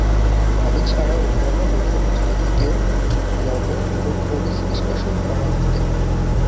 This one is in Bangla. পানি ছাড়াও অন্যান্য লক্ষ্যবস্তু থেকেও লবণ ও খনিজ নিষ্কাশন করা হতে পারে।